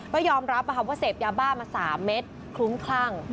ก็ยอมรับว่าเสพยาบ้ามา๓เม็ดคลุ้มคลั่ง